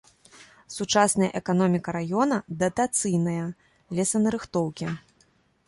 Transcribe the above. Сучасная эканоміка раёна датацыйная, лесанарыхтоўкі.